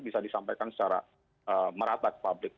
bisa disampaikan secara merata ke publik